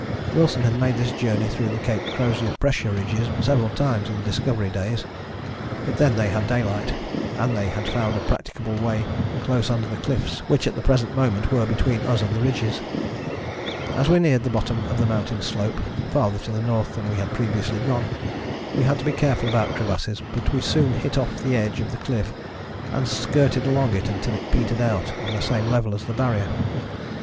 Wilson had made this journey through the Cape Crozier pressure ridges several times in the Discovery days. But then they had daylight, and they had found a practicable way close under the cliffs which at the present moment were between us and the ridges. As we neared the bottom of the mountain slope, farther to the north than we had previously gone, we had to be careful about crevasses, but we soon hit off the edge of the cliff and skirted along it until it petered out on the same level as the Barrier.